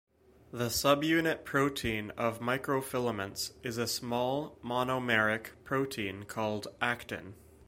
The subunit protein of microfilaments is a small, monomeric protein called actin.